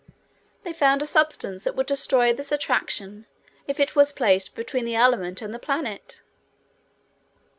They found a substance that would destroy this attraction if it was placed between the element and the planet.